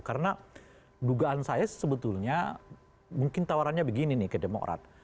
karena dugaan saya sebetulnya mungkin tawarannya begini nih ke demokrat